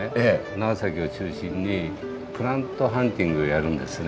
長崎を中心にプラントハンティングやるんですね。